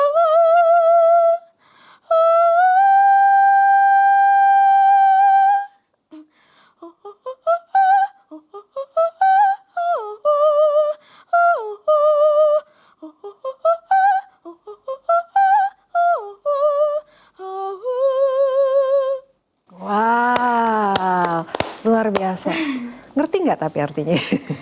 wow luar biasa ngerti nggak tapi artinya